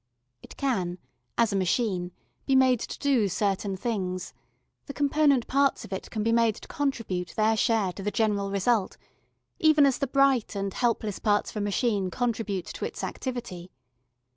It can, as a machine, be made to do certain things; the component parts of it can be made to contribute their share to the general result, even as the bright and helpless parts of a machine contribute to its activity.